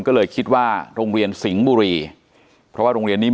ก็เลยคิดว่าโรงเรียนสิงห์บุรีเพราะว่าโรงเรียนนี้